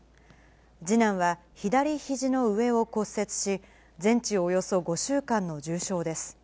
次男は、左ひじの上を骨折し、全治およそ５週間の重傷です。